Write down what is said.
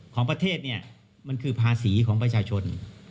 ของประเทศเนี่ยมันคือภาษีของประชาชน